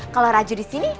kalau raju disini